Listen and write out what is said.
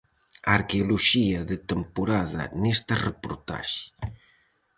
A arqueoloxía de temporada nesta reportaxe.